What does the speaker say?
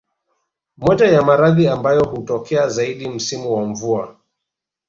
Moja ya maradhi ambayo hutokea zaidi msimu wa mvua